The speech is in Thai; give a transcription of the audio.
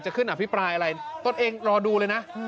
ขึ้นอภิปรายอะไรตนเองรอดูเลยนะ